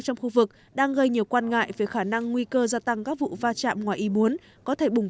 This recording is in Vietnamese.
trong khu vực đang gây nhiều quan ngại về khả năng nguy cơ gia tăng các vụ va chạm ngoài ý muốn có thể bùng